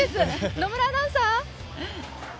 野村アナウンサー。